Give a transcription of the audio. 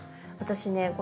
私ね